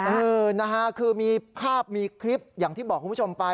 เออนะฮะคือมีภาพมีคลิปอย่างที่บอกคุณผู้ชมไป